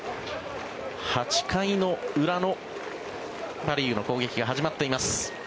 ８回の裏のパ・リーグの攻撃が始まっています。